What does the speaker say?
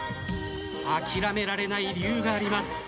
諦められない理由があります。